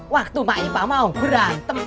waktu mak ipa mau berantem